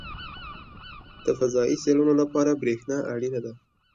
• د فضایي څېړنو لپاره برېښنا اړینه ده.